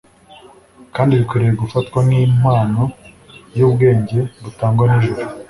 kandi bikwiriye gufatwa nkimpano yubwenge butangwa nijuru